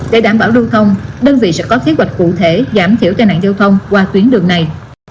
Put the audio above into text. để đảm bảo lưu thông đơn vị sẽ có kế hoạch cụ thể giảm thiểu tai nạn giao thông qua tuyến đường này